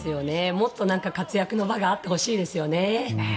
もっと活躍の場があってほしいですよね。